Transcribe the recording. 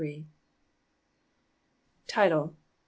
Title.